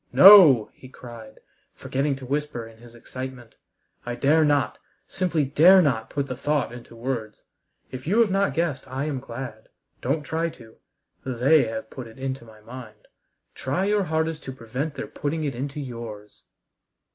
"No!" he cried, forgetting to whisper in his excitement. "I dare not, simply dare not, put the thought into words. If you have not guessed I am glad. Don't try to. They have put it into my mind; try your hardest to prevent their putting it into yours."